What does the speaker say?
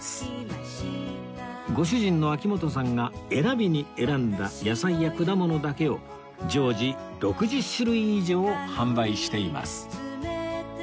ご主人の秋元さんが選びに選んだ野菜や果物だけを常時６０種類以上販売しています